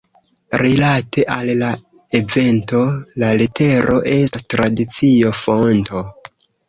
Rilate al la evento, la letero estas tradicio-fonto.